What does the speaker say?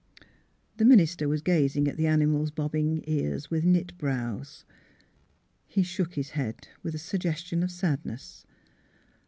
The minister was gazing at the animal's bobbing ears with knit brows. He shook his head with a suggestion of sadness.